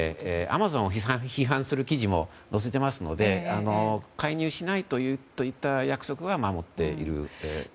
アマゾンを批判する記事も載せていますので介入しないといった約束は守っているところですね。